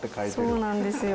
そうなんですよ。